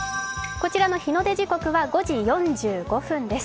こちらの日の出時刻は５時４５分です。